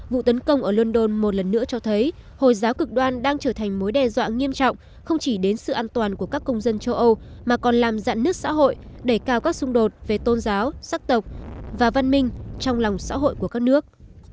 vụ tấn công ở london một lần nữa cho thấy hồi giáo cực đoan đang trở thành mối đe dọa nghiêm trọng không chỉ đến sự an toàn của các công dân châu âu mà còn làm dạn nứt xã hội đẩy cao các xung đột về tôn giáo sắc tộc và văn minh trong lòng xã hội của các nước